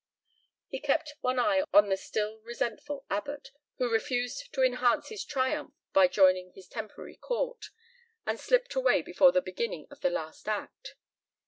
... He kept one eye on the still resentful Abbott, who refused to enhance his triumph by joining his temporary court, and slipped away before the beginning of the last act.